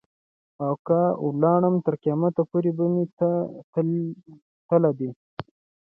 او که ولاړم تر قیامت پوري مي تله دي.